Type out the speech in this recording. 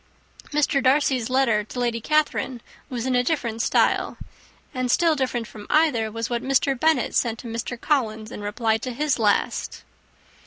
Mr. Darcy's letter to Lady Catherine was in a different style, and still different from either was what Mr. Bennet sent to Mr. Collins, in return for his last.